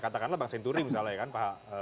katakanlah bang senturi misalnya ya pak